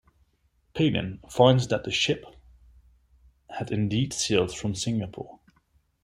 Palin finds that the ship had indeed sailed from Singapore.